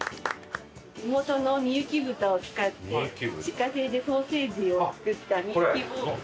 地元のみゆき豚を使って自家製でソーセージを作ったみゆきポークと。